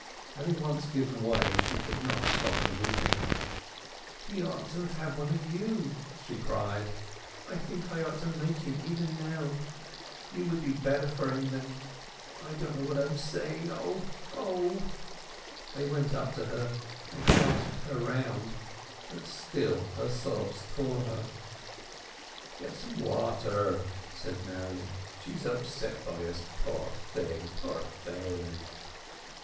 Having once given way she could not stop her weeping. "He ought to have had one of you!" she cried. "I think I ought to make him even now! You would be better for him than—I don't know what I'm saying! O! O!" They went up to her and clasped her round, but still her sobs tore her. "Get some water," said Marian, "She's upset by us, poor thing, poor thing!"